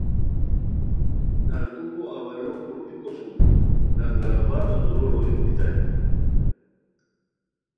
نرکوکو اوّلو کروپھیکو سُم لنگر آبادو دُورو روئے روپھیتانی